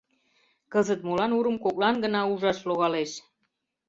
— Кызыт молан урым коклан гына ужаш логалеш?